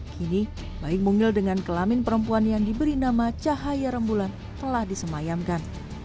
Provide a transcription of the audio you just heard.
kini bayi mungil dengan kelamin perempuan yang diberi nama cahaya rembulan telah disemayamkan